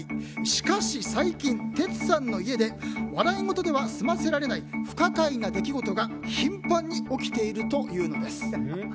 しかし、最近テツさんの家で笑い事では済ませられない不可解な出来事が頻繁に起きているというのです。